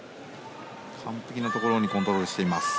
完璧なところにコントロールしています。